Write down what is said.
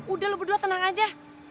udah lebih berdua tenang aja